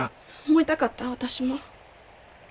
思いたかった私も。